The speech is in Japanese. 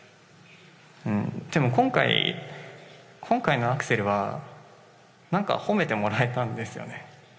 でも今回のアクセルは何か褒めてもらえたんですよね。